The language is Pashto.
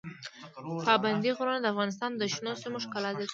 پابندي غرونه د افغانستان د شنو سیمو ښکلا زیاتوي.